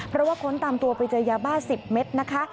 เพราะว่าค้นตามตัวไปเจอยาบ้า๑๐เมตรนะคะ